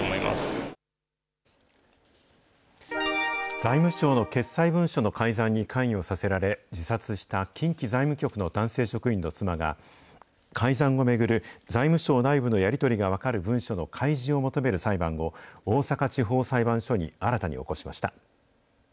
財務省の決裁文書の改ざんに関与させられ、自殺した近畿財務局の男性職員の妻が、改ざんを巡る財務省内部のやり取りが分かる文書の開示を求める裁判を大阪地方裁判所に新たに起こしました。